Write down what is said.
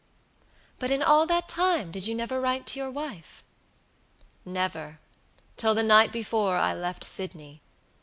"But in all that time did you never write to your wife?" "Never, till the night before I left Sydney.